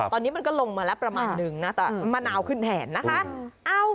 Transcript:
ตอนนี้มันก็ลงมาแล้วประมาณนึงนะแต่มะนาวขึ้นแทนนะคะ